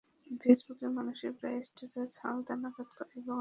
ফেসবুকে মানুষ প্রায়ই স্ট্যাটাস হালনাগাদ করে এবং অন্যের স্ট্যাটাসে মন্তব্য পোস্ট করে।